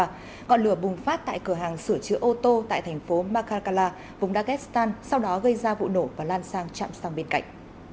ngọn lửa bùng phát tại cửa hàng sửa chứa ô tô tại thành phố makarkala vùng dagestan sau đó gây ra vụ nổ và lan sang chạm xăng bên cạnh